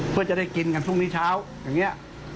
เพื่อจะได้กินกันพรุ่งนี้เช้าอย่างนี้